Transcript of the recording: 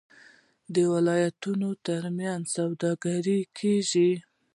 د ولایتونو ترمنځ سوداګري کیږي.